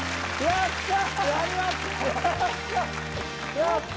やった。